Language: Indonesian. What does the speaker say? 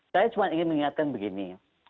saya cuma ingin mengingatkan begini